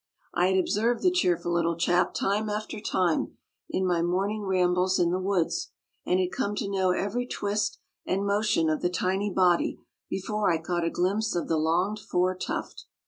I had observed the cheerful little chap time after time in my morning rambles in the woods, and had come to know every twist and motion of the tiny body before I caught a glimpse of the longed for tuft.